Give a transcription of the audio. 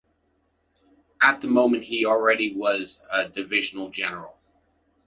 At that moment he already was a Divisional General.